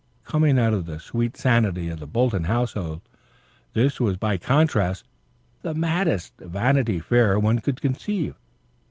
Coming out of the sweet sanity of the Bolton household, this was by contrast the maddest Vanity Fair one could conceive.